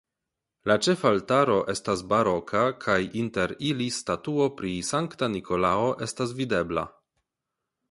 La ĉefaltaro estas baroka kaj inter ili statuo pri Sankta Nikolao estas videbla.